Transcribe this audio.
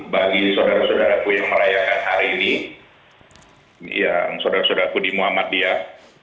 bagi saudara saudaraku yang merayakan hari ini yang saudara saudaraku di muhammadiyah